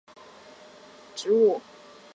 网檐南星是天南星科天南星属的植物。